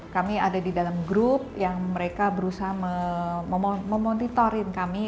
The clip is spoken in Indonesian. kami ada di dalam grup yang mereka berusaha memonitoring kami